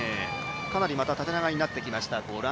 かなり縦長になってきました。